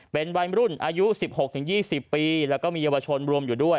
เป็นวัยรุ่นอายุ๑๖๒๐ปีแล้วก็มีเยาวชนรวมอยู่ด้วย